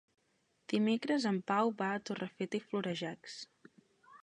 Dimecres en Pau va a Torrefeta i Florejacs.